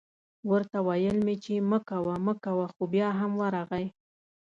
ورته ویل مې چې مه کوه مه کوه خو بیا هم ورغی